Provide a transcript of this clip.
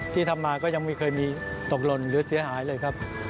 ที่ทำมาก็ยังไม่เคยมีตกหล่นหรือเสียหายเลยครับ